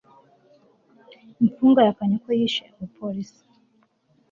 Imfungwa yahakanye ko yishe umupolisi